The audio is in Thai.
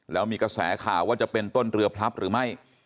แล้วมีกระแสข่าวว่าจะเป็นต้นเรือพลับหรือไม่